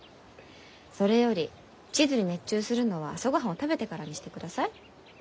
それより地図に熱中するのは朝ごはんを食べてからにしてください。